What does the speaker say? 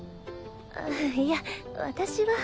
あいや私は。